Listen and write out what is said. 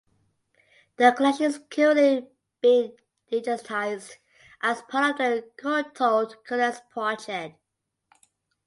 The collection is currently being digitised as part of the Courtauld Connects Project.